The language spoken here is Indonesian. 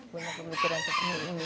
banyak pemikiran seperti ini